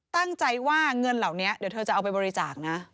ตั้งใจว่าเงินเหล่านี้เดี๋ยวเธอจะเอาไปบริจาคนะ